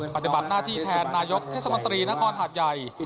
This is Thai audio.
ปฏิบัติหน้าที่แทนนายกเทศมนตรีนครหาดใหญ่